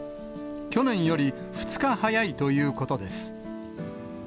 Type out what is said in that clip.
去年より２日早いということです。